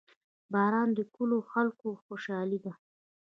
• باران د کلیو د خلکو خوشحالي ده.